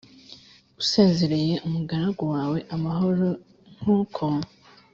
usezereye umugaragu wawe amahoro l nk uko